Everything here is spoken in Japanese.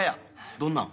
どんなん？